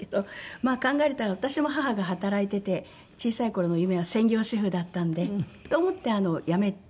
まあ考えたら私も母が働いていて小さい頃の夢は専業主婦だったのでと思って辞めて。